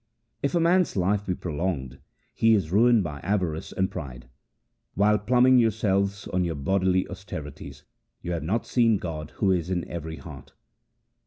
If man's life be prolonged, he is ruined by avarice and pride. While pluming your selves on your bodily austerities, you have not seen God who is in every heart.